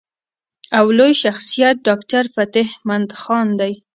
او لوئ شخصيت ډاکټر فتح مند خان دے ۔